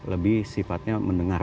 lebih sifatnya mendengar